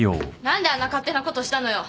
何であんな勝手なことしたのよ。